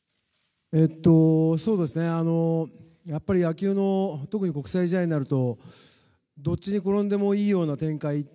野球の特に国際試合になるとどっちに転んでもいいような展開